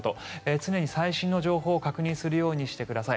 常に最新の情報を確認するようにしてください。